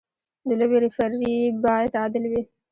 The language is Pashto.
د لوبې ریفري باید عادل وي.